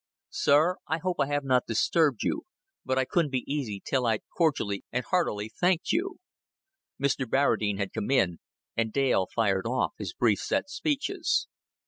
"Sir, I hope I have not disturbed you; but I couldn't be easy till I'd cordially and heartily thanked you." Mr. Barradine had come in, and Dale fired off his brief set speeches.